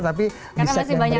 tapi di set yang berikutnya